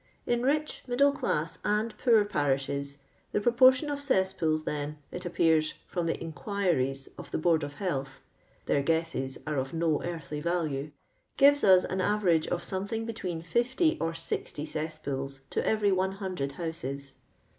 In rich, middle class, and poor parishes, the proportion of cesspools, then, it appears from the inquiries of the Board of Health (their guesses are of no earthly value), gives us an average of something between 60 or 60 cess pools to every 100 houses.